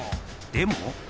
でも？